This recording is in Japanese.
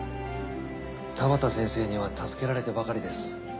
田端先生には助けられてばかりです。